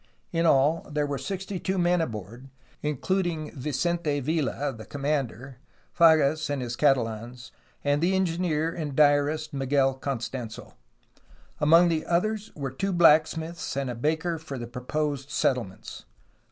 In all there were sixty two men aboard, including Vicente Vila (the commander), Fages and his Catalans, and the engineer and diarist Miguel Costans6. Among the others were two blacksmiths and a baker for the proposed settlements.